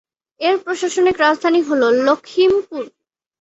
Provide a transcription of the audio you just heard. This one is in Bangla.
এর প্রশাসনিক রাজধানী হল লখিমপুর।